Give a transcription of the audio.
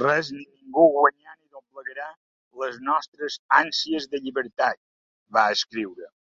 Res ni ningú guanyar ni doblegarà les nostres ànsies de llibertat, va escriure.